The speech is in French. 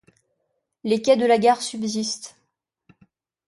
Les quais de la gare subsistent.